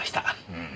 うん。